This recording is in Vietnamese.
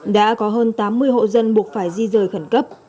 đã có hơn tám mươi hộ dân buộc phải di rời khẩn cấp